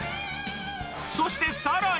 そしてさらに。